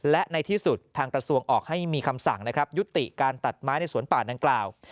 และในที่สุดทางกระทรวงออกให้มีคำสั่งนะครับยุติการตัดไม้ในสวนป่าดังกล่าว